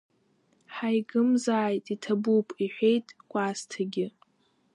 Ҳаигымзааит, иҭабуп, – иҳәеит Кәасҭагьы.